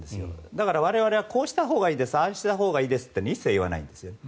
だから我々はこうしたほうがいいですああしたほうがいいですということは一切言わないんですよね。